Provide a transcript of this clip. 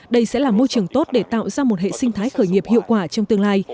đây sẽ là môi trường tốt để tạo ra một hệ sinh thái khởi nghiệp hiệu quả trong tương lai